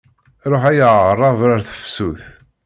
Ṛuḥ ay aɛṛab ar tafsut.